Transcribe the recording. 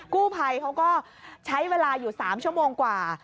กู้ภัยเขาก็ใช้เวลาอยู่๓ชั่วโมงกว่า